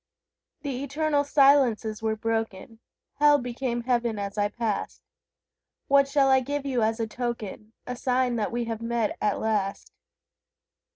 The eternal silences were broken; Hell became Heaven as I passed. What shall I give you as a token, A sign that we have met, at last?